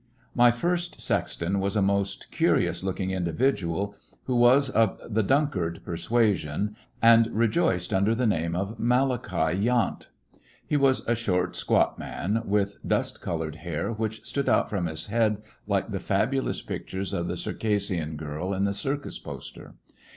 'M Malachi Yant My first sexton was a most curious looking individual who was of the Dunkard persua 36 g IJ/lissionarY in tge Great West sioiiy and rejoiced under the name of Malachi Yant. He was a short, squat man, with dust colored hair which stood out from his head like the fabulous pictures of the Circassian girl in the circus poster.